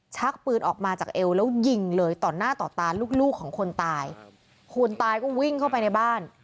ชักปืนออกมาจากเอวแล้วยิงเลยต่อหน้าต่อตาลูกลูกของคนตายคนตายก็วิ่งเข้าไปในบ้าน